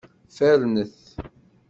Fernet.